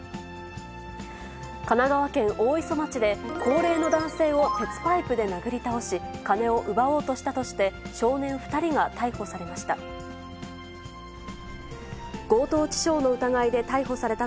神奈川県大磯町で、高齢の男性を鉄パイプで殴り倒し、金を奪おうとしたとして、少年２人が逮捕されました。